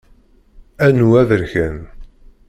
Anu aberkan.